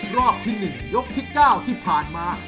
รอบที่๑ยกที่๙ที่ผ่านมา